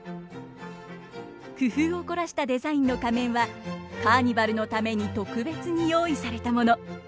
工夫を凝らしたデザインの仮面はカーニバルのために特別に用意されたもの。